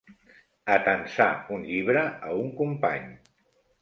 Atansar un llibre a un company.